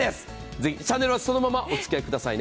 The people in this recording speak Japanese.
ぜひ、チャンネルはそのままおつきあいくださいね。